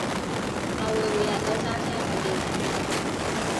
我會每日都揸車去見你